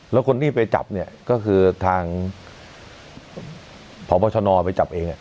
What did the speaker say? แล้วคนที่ไปจับเนี่ยก็คือทางพบชนไปจับเอง